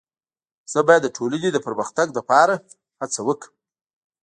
زه باید د ټولني د پرمختګ لپاره هڅه وکړم.